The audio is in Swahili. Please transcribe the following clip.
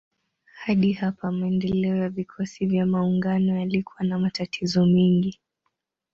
Hadi hapa maendeleo ya vikosi vya maungano yalikuwa na matatizo mengi.